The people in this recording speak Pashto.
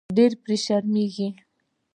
پرې شرمېږي.